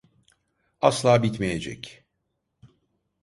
Asla bitmeyecek.